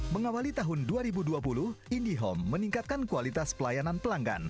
mengawali tahun dua ribu dua puluh indihome meningkatkan kualitas pelayanan pelanggan